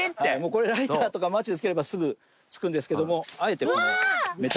これライターとかマッチでつければすぐつくんですけどもあえてこのメタルマッチで。